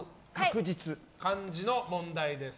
漢字の問題です。